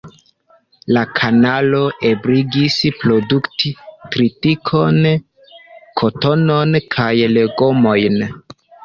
La kanalo ebligis produkti tritikon, kotonon kaj legomojn.